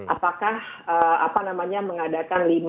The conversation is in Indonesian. apakah apa namanya mengadakan